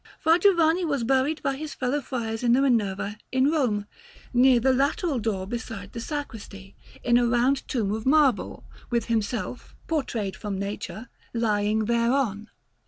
Fra Giovanni was buried by his fellow friars in the Minerva in Rome, near the lateral door beside the sacristy, in a round tomb of marble, with himself, portrayed from nature, lying thereon.